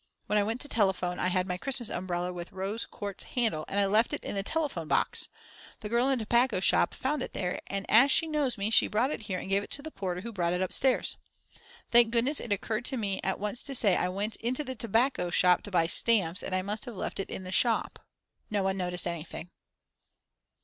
When I went to telephone I had my Christmas umbrella with the rose quartz handle and I left it in the telephone box; the girl in the tobacco shop found it there, and as she knows me she brought it here and gave it to the porter who brought it upstairs. Thank goodness it occurred to me at once to say that I went into the tobacco shop to buy stamps and I must have left it in the shop. No one noticed anything.